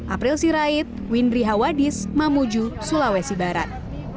april sirait windri hawadis mamuju sulawesi barat